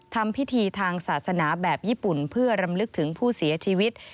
ทำพิธีทางศาสนาแบบญี่ปุ่นเพื่อรำลึกถึงผู้เสียชีวิต